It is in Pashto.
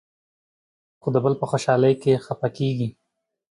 خو د بل په خوشالۍ کې خفه کېږي.